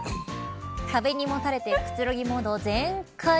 壁にもたれてくつろぎモード全開。